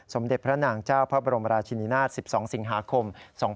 สมเด็จพระนางเจ้าพระบรมราชินินาศ๑๒สิงหาคม๒๕๖๒